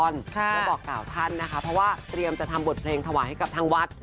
แล้วบอกกล่าวท่านนะคะเพราะว่าเตรียมจะทำบทเพลงถวายให้กับทางวัด